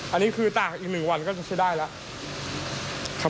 อันนี้คือต่างอีก๑วันก็จะใช้ได้แล้ว